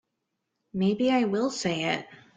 Maybe I will say it.